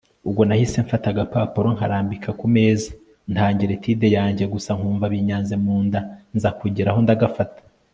ubwo nahise mfata agapapuro nkarambika kumeza ntangira etude yanjye , gusa nkumva binyanze munda nza kugeraho ndagafata